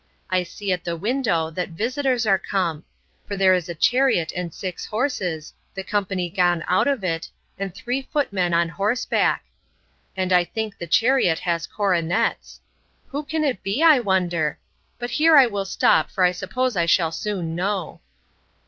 I see at the window, that visitors are come; for there is a chariot and six horses, the company gone out of it, and three footmen on horseback; and I think the chariot has coronets. Who can it be, I wonder?—But here I will stop, for I suppose I shall soon know.